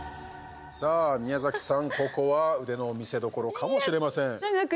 宮崎さん、ここは腕の見せどころかもしれません。